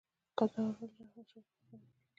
کندهار ولې د احمد شاه بابا ښار بلل کیږي؟